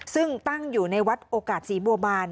ซึ่งตั้งอยู่ในวัดโอกาสศรีบัวบาน